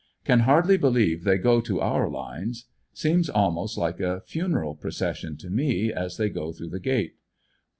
Can hardly believe they go to our lines. Seems almost like a funeral procession to me, as they go through the gate.